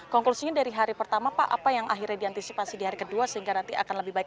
konklusinya dari hari pertama pak apa yang akhirnya diantisipasi di hari kedua sehingga nanti akan lebih baik